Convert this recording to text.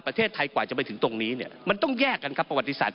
ประเทศไทยกว่าจะไปถึงตรงนี้เนี่ยมันต้องแยกกันครับประวัติศาสต